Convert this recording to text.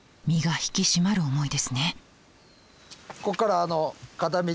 身が引き締まる思いですね。